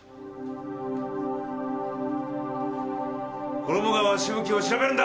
衣川しぶきを調べるんだ！